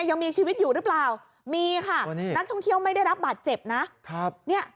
ยังมีชีวิตอยู่หรือเปล่ามีค่ะนักท่องเที่ยวไม่ได้รับบาดเจ็บนะครับเนี่ย